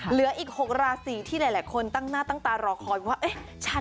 เหลืออีก๖ราศีที่หลายคนตั้งหน้าตั้งตารอคอยว่าเอ๊ะ